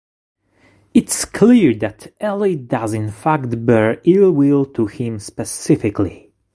It’s clear that Ellie does in fact bear ill will to him specifically.